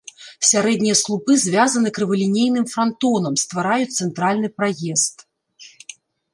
Сярэднія слупы звязаны крывалінейным франтонам, ствараюць цэнтральны праезд.